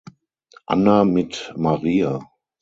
Anna mit Maria.